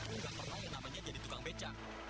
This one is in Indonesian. nggak pernah yang namanya jadi tukang beca